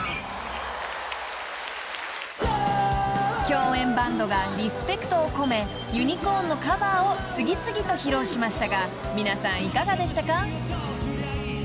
［共演バンドがリスペクトを込めユニコーンのカバーを次々と披露しましたが皆さんいかがでしたか？］